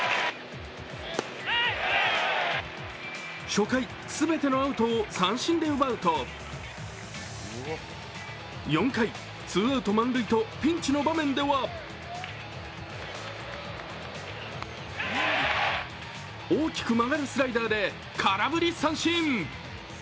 初回全てのアウトを三振で奪うと４回、ツーアウト満塁とピンチの場面では大きく曲がるスライダーで空振り三振。